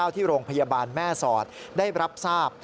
ที่โรงพยาบาลแม่สอดได้รับทราบ